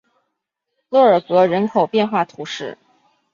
洛尔格人口变化图示